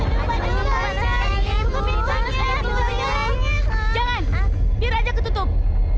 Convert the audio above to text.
jangan biar saja ketutup